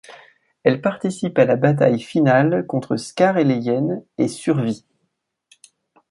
Elle participe à la Bataille Finale contre Scar et les Hyènes et survit.